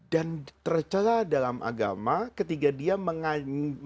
dan tercela dalam agama ketika dia mengajak